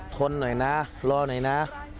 ทนหน่อยนะรอหน่อยนะ